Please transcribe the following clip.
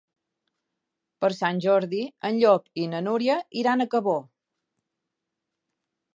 Per Sant Jordi en Llop i na Núria iran a Cabó.